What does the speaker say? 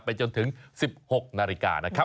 จนถึง๑๖นาฬิกานะครับ